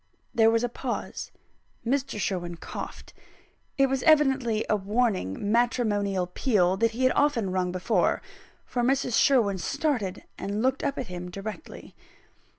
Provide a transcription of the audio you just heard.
There was a pause. Mr. Sherwin coughed; it was evidently a warning matrimonial peal that he had often rung before for Mrs. Sherwin started, and looked up at him directly.